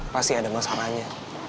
pasti ada masalahnya